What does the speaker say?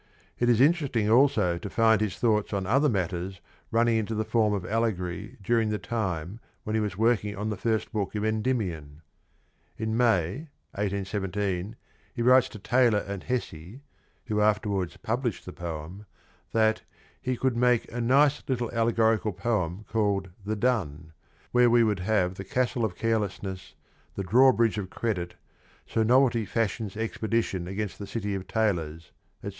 It is interesting also to find his thoughts on other matters running into the form of allegory during the time when he was working on the first book of Endyrnion. In May, 1817, he writes to Taylor and Hessey (who afterwards published the poem) that he " could make a nice little allegorical poem called ' The Dun,' where we w^ould have the Castle of Careless ness, the Drawbridge of Credit, Sir Novelty Fashion's ex pedition against the City of Tailors, etc.